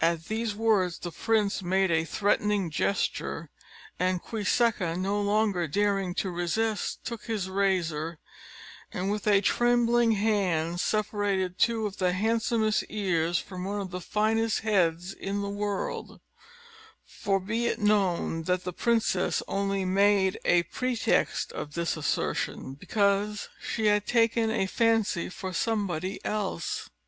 At these words the prince made a threatening gesture; and Queséca, no longer daring to resist, took his razor, and with a trembling hand separated two of the handsomest ears from one of the finest heads in the world: for be it known, that the princess only made a pretext of this assertion, because she had taken a fancy for somebody else.